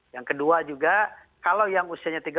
yang kedua juga kalau yang usianya tiga bukan usia